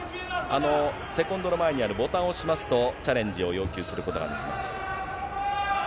セコンドの前にあるボタンを押しますと、チャレンジを要求することができます。